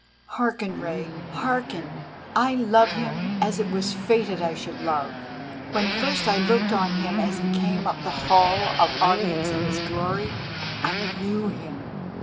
Hearken, Rei, hearken! I love him as it was fated I should love. When first I looked on him as he came up the Hall of Audience in his glory, I knew him.